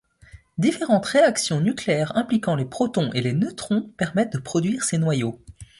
Différentes réactions nucléaires impliquant les protons et les neutrons permettent de produire ces noyaux.